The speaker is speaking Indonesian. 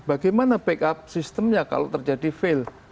bagaimana backup sistemnya kalau terjadi fail